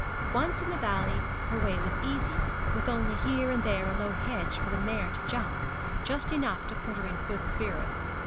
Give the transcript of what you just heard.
Once in the valley her way was easy, with only here and there a low hedge for the mare to jump, just enough to put her in good spirits.